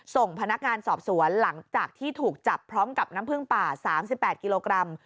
ส่งพนักงานสอบสวนหลังจากที่ถูกจับพร้อมกับน้ำผึ้งป่า๓๘กิโลกรัม